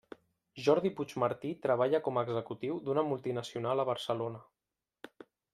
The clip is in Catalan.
Jordi Puigmartí treballa com executiu d'una multinacional a Barcelona.